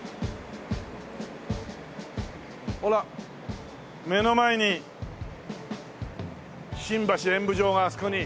ほら目の前に新橋演舞場があそこに。